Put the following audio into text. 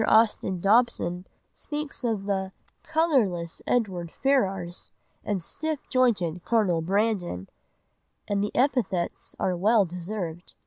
Austin Dobson speaks of the "colourless Edward Ferrars and stiff jointed Colonel Brandon," and the epithets are well deserved.